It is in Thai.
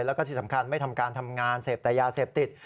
แล้วก็ที่สำคัญไม่ทำการทำงานเสพแต่ยาเสพติด